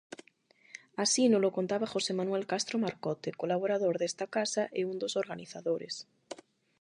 Así nolo contaba José Manuel Castro Marcote, colaborador desta casa e un dos organizadores.